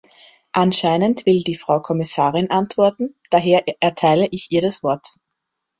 Anscheinend will die Frau Kommissarin antworten, daher erteile ich ihr das Wort.